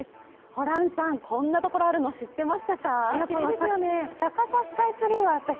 ホランさん、こんなところあるの知ってましたか？